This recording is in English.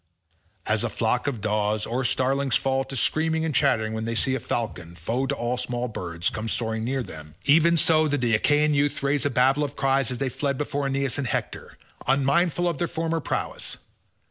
As a flock of daws or starlings fall to screaming and chattering when they see a falcon, foe to all small birds, come soaring near them, even so did the Achaean youth raise a babel of cries as they fled before Aeneas and Hector, unmindful of their former prowess.